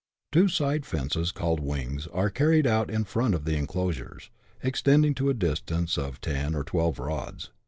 Two side fences, called " wings," are carried out in front of the enclosures, extending to a distance of 10 or 12 roods.